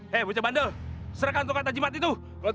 he buja bandel serahkan tongkat ajimat itu